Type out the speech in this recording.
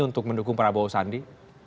untuk mendukung prabowo sandi